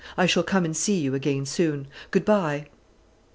I shall come and see you again soon. Good bye."